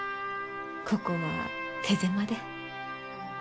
ここは手狭で。